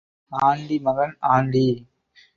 Aunty மகன் aunty.